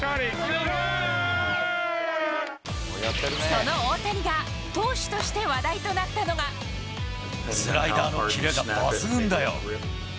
その大谷が投手として話題とスライダーのキレが抜群だよ。